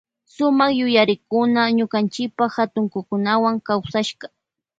Suma yuyarikuna ñukanchipa hatukukunawa kawsashka.